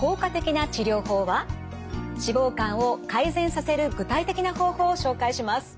脂肪肝を改善させる具体的な方法を紹介します。